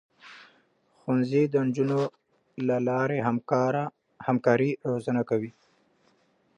ښوونځی د نجونو له لارې همکاري روزنه کوي.